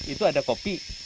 itu ada kopi